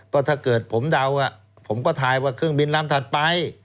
ก็ถ้าเกิดผมเดาผมก็ถ่ายว่าเครื่องบินลำถัดไป